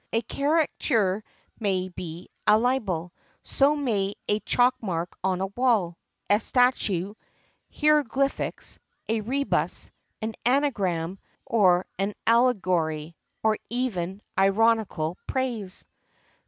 A caricature may be a libel; so may a chalk mark on a wall, a statue, hieroglyphics, a rebus, an anagram or an allegory, or even ironical praise.